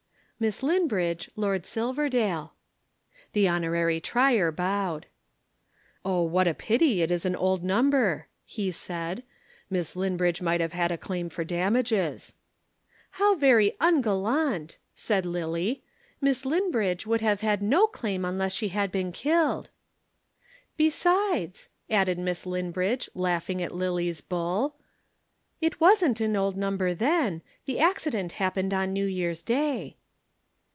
"Miss Linbridge, Lord Silverdale." The Honorary Trier bowed. "Oh what a pity it was an old number," he said. "Miss Linbridge might have had a claim for damages." "How very ungallant," said Lillie. "Miss Linbridge could have had no claim unless she had been killed." "Besides," added Miss Linbridge laughing at Lillie's bull, "it wasn't an old number then. The accident happened on New Year's Day."